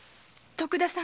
徳田様。